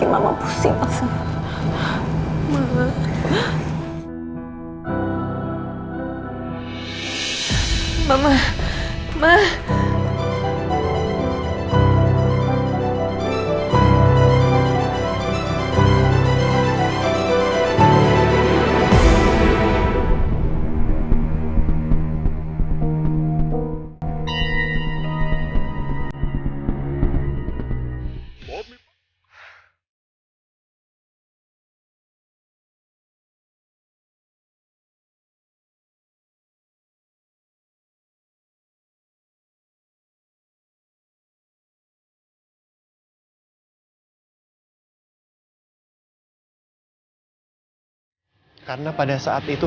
mama benar benar nggak ngerti lagi sama kamu